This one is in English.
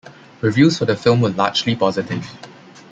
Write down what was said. Reviews for the film were largely positive.